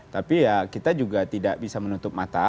tapi ya kita juga tidak bisa menutup mata